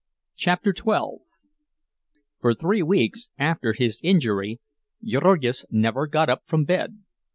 CHAPTER XII For three weeks after his injury Jurgis never got up from bed.